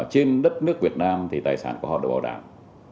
trên đất nước việt nam thì tài sản của họ được bảo đảm